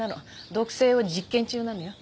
毒性を実験中なのよ。